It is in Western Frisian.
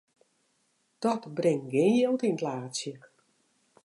Dat bringt gjin jild yn it laadsje.